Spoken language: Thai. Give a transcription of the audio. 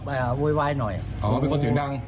เป็นท่วว่าเป็นคนเสียงดัง